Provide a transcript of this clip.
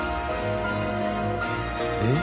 えっ？